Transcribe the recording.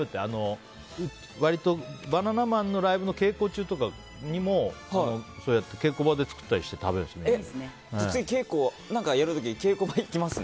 割と、バナナマンのライブの稽古中とかにもそうやって、稽古場で作って食べたりするんです。